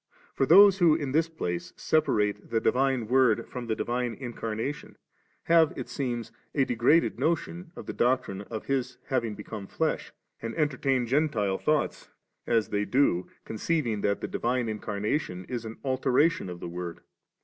For those who in this place separate the divine Word from the divine Incarnation, have, it seems, a degraded notion of the doctrine of His having become flesh, and entertain Gentile thoughts, as they do, conceiving that the divine Incarnation is an alteration of the Word.